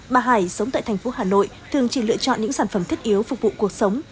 bà hải sống tại thành phố hà nội thường chỉ lựa chọn những sản phẩm thiết yếu phục vụ cuộc sống